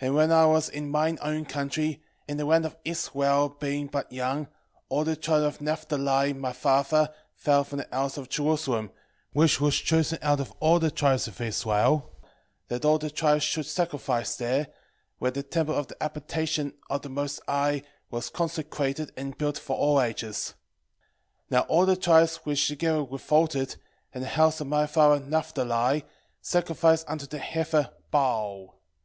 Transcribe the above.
1:4 And when I was in mine own country, in the land of Israel being but young, all the tribe of Nephthali my father fell from the house of Jerusalem, which was chosen out of all the tribes of Israel, that all the tribes should sacrifice there, where the temple of the habitation of the most High was consecrated and built for all ages. 1:5 Now all the tribes which together revolted, and the house of my father Nephthali, sacrificed unto the heifer Baal.